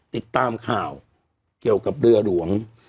ติดตามข่าวเกี่ยวกับเรือหลวง